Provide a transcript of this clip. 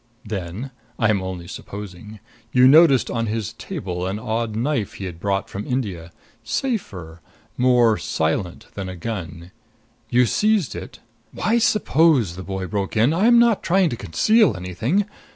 Then I am only supposing you noticed on his table an odd knife he had brought from India safer more silent than a gun. You seized it " "Why suppose?" the boy broke in. "I'm not trying to conceal anything.